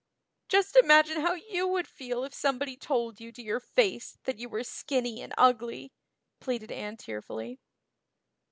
"Just imagine how you would feel if somebody told you to your face that you were skinny and ugly," pleaded Anne tearfully.